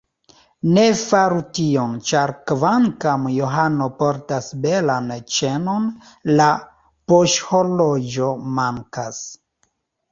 Ne faru tion, ĉar kvankam Johano portas belan ĉenon, la poŝhorloĝo mankas.